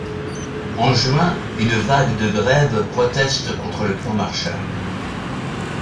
En juin, une vague de grèves proteste contre le plan Marshall.